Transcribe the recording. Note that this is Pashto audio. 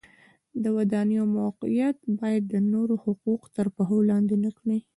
د ودانیو موقعیت باید د نورو حقوق تر پښو لاندې نه کړي.